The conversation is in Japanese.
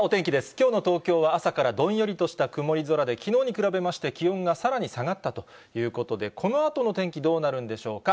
きょうの東京は朝からどんよりとした曇り空で、きのうに比べまして気温がさらに下がったということで、このあとの天気、どうなるんでしょうか。